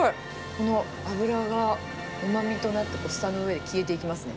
この脂がうまみとなって、舌の上で消えていきますね。